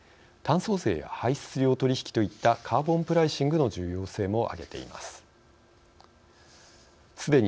炭素税や排出量取引といったカーボンプライシングの重要性も挙げています。